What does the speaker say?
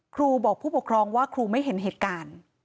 ครูบอกผู้ปกครองว่าครูไม่เห็นเหตุการณ์